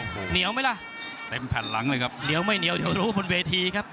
โอ้โหเหนียวไหมล่ะเต็มแผ่นหลังเลยครับเหนียวไม่เหนียวเดี๋ยวรู้บนเวทีครับ